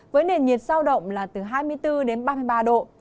với nền nhiệt sao động là từ hai mươi bốn đến ba mươi ba độ